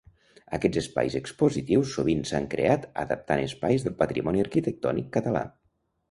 Aquests espais expositius sovint s'han creat adaptant espais del patrimoni arquitectònic català.